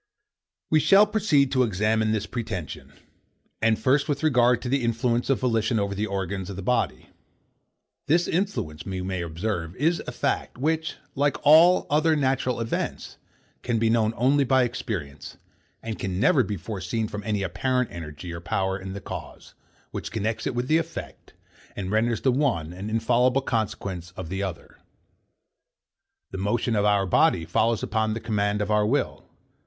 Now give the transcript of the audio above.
We shall proceed to examine this pretension; and first with regard to the influence of volition over the organs of the body. This influence, we may observe, is a fact, which, like all other natural events, can be known only by experience, and can never be foreseen from any apparent energy or power in the cause, which connects it with the effect, and renders the one an infallible consequence of the other. The motion of our body follows upon the command of our will.